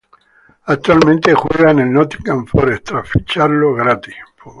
Actualmente juega en el Nottingham Forest, tras ficharlo gratis.